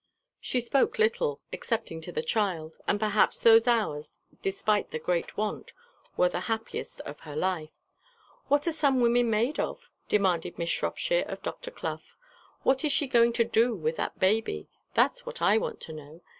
She spoke little, excepting to the child, and perhaps those hours, despite the great want, were the happiest of her life. "What are some women made of?" demanded Miss Shropshire of Dr. Clough. "What is she going to do with that baby? That's what I want to know.